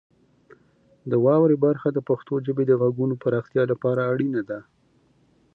د واورئ برخه د پښتو ژبې د غږونو پراختیا لپاره اړینه ده.